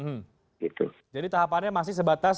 hmm itu jadi tahapannya masih sebatas